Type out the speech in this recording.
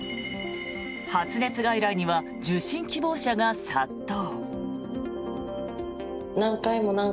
発熱外来には受診希望者が殺到。